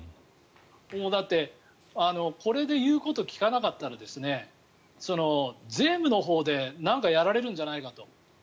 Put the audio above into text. だってこれで言うことを聞かなかったら税務のほうでなんかやられるんじゃないかと。